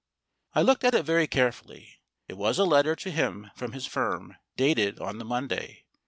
I looked at it very carefully. It was a letter to him from his firm, dated on the Monday.